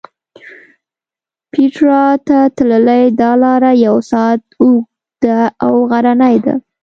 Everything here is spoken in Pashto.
پېټرا ته تللې دا لاره یو ساعت اوږده او غرنۍ ده.